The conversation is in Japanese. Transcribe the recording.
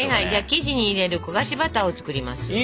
生地に入れる焦がしバターを作りますよ。